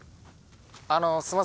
あのすみません